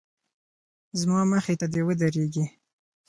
زما مخې ته دې ودرېږي.